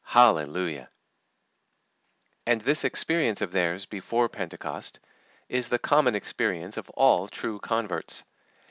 Hallelujah! And this experience of theirs before Pentecost is the common experience of all true converts.